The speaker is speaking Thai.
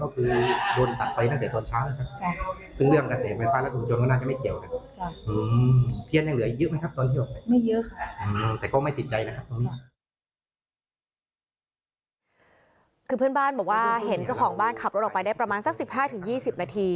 คือเพื่อนบ้านบอกว่าเห็นเจ้าของบ้านขับรถออกไปได้ประมาณสัก๑๕๒๐นาที